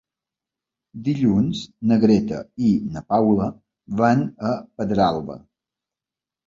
Dilluns na Greta i na Paula van a Pedralba.